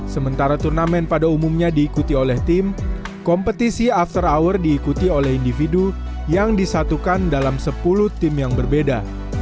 sementara turnamen pada umumnya diikuti oleh tim kompetisi after hour diikuti oleh individu yang disatukan dalam sepuluh tim yang berbeda